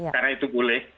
karena itu boleh